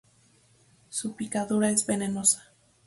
Su picadura es venenosa.